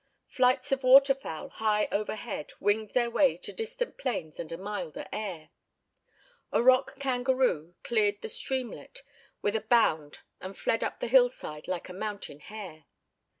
Flights of water fowl high overhead winged their way to distant plains and a milder air. A rock kangaroo, cleared the streamlet with a bound and fled up the hillside like a mountain hare.